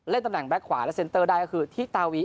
เล่นตำแหน่งแบ็กขวาและเซนตเตอร์ได้ก็คือที่ตาวี